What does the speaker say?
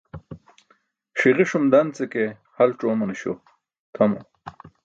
Ṣiġuṣum dance ke halc̣ umanaśo tʰamo.